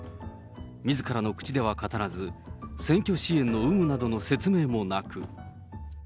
みずからの口では語らず、選挙支援の有無などの説明もなく。